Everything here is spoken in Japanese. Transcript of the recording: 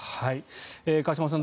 川島さん